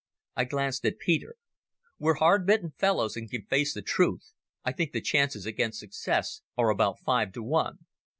I glanced at Peter. "We're hard bitten fellows and can face the truth. I think the chances against success are about five to one."